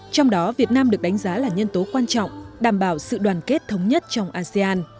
trong đó việt nam được đánh giá là nhân tố quan trọng đảm bảo sự đoàn kết thống nhất trong asean